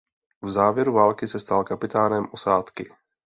V závěru války se stal kapitánem osádky.